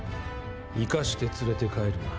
生かして連れて帰るな。